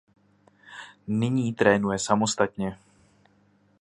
Nyní trénuje samostatně.